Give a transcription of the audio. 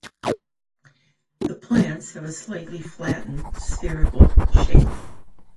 The plants have a slightly flattened spherical shape.